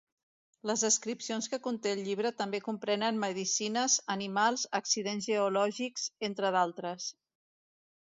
Les descripcions que conté el llibre també comprenen medicines, animals, accidents geològics, entre d'altres.